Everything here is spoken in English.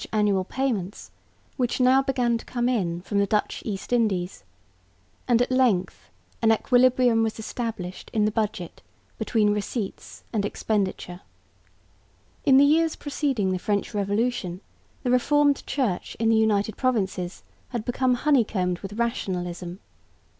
He was helped by the large annual payments, which now began to come in from the Dutch East Indies; and at length an equilibrium was established in the budget between receipts and expenditure. In the years preceding the French Revolution the Reformed Church in the United Provinces had become honey combed with rationalism.